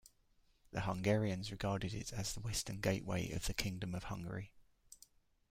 The Hungarians regarded it as the western gateway of the Kingdom of Hungary.